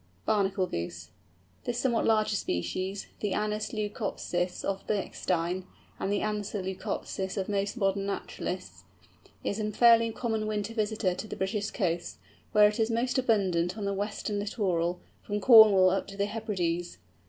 BERNACLE GOOSE. This somewhat larger species, the Anas leucopsis of Bechstein, and the Anser leucopsis of most modern naturalists, is a fairly common winter visitor to the British coasts, where it is most abundant on the western littoral, from Cornwall up to the Hebrides.